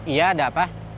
iya ada apa